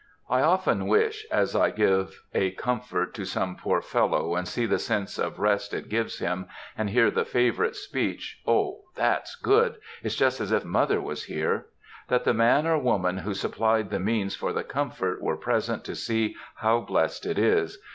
I often wish,—as I give a comfort to some poor fellow, and see the sense of rest it gives him, and hear the favorite speech, "O, that's good! it's just as if mother was here,"—that the man or woman who supplied the means for the comfort were present to see how blessed it is.